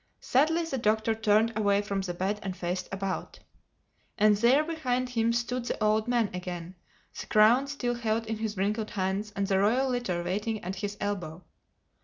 Sadly the Doctor turned away from the bed and faced about. And there behind him stood the old man again, the crown still held in his wrinkled hands and the royal litter waiting at his elbow.